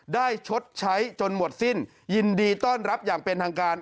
ชดใช้จนหมดสิ้นยินดีต้อนรับอย่างเป็นทางการ